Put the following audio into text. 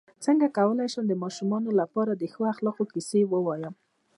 څنګه کولی شم د ماشومانو لپاره د ښو اخلاقو کیسې ووایم